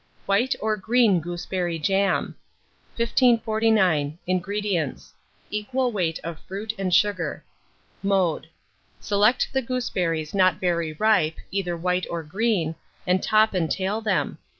WHITE OR GREEN GOOSEBERRY JAM. 1549. INGREDIENTS. Equal weight of fruit and sugar. Mode. Select the gooseberries not very ripe, either white or green, and top and tail them.